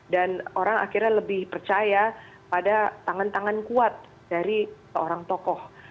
dan orang akhirnya lebih percaya pada tangan tangan kuat dari seorang tokoh